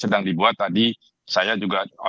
sedang dibuat tadi saya juga